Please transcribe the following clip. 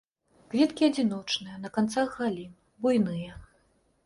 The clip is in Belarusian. Кветкі адзіночныя, на канцах галін, буйныя.